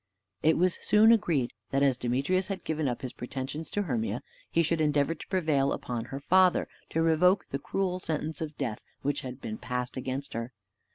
It was soon agreed that, as Demetrius had given up his pretensions to Hermia, he should endeavor to prevail upon her father to revoke the cruel sentence of death which had been passed against her.